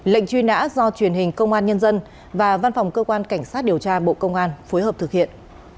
lệnh truy nã do truyền hình công an nhân dân và văn phòng cơ quan cảnh sát điều tra bộ công an phối hợp thực hiện